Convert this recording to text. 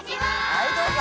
はいどうぞ。